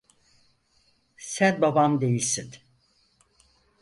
Sen babam değilsin.